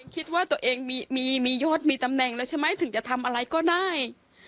คิดว่าตัวเองมียอดมีตำแหน่งแล้วใช่ไหมถึงจะทำอะไรก็ได้